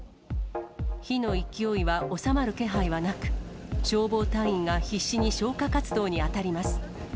火の勢いは収まる気配はなく、消防隊員が必死に消火活動に当たります。